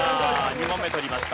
２問目取りました。